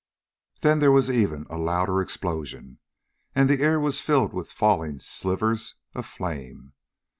Then there was even a louder explosion, and the air was filled with falling slivers of flame.